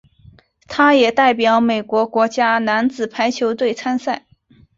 他也代表美国国家男子排球队参赛。